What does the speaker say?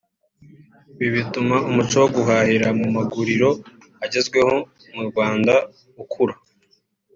ibi bituma umuco wo guhahira mu maguriro agezweho mu Rwanda ukura